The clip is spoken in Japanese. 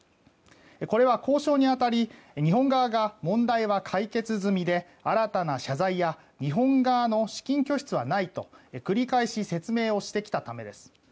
これは交渉に当たり、日本側が問題は解決済みで新たな謝罪や日本側の資金拠出はないと繰り返し説明をしてきたためです。